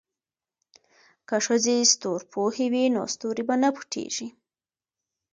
که ښځې ستورپوهې وي نو ستوري به نه پټیږي.